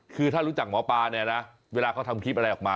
คือถ้ารู้จักหมอปลาเนี่ยนะเวลาเขาทำคลิปอะไรออกมา